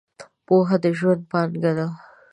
پوهنه د ژوند پانګه ده .